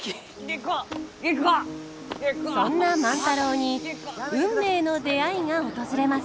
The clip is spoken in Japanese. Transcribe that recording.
そんな万太郎に運命の出会いが訪れます。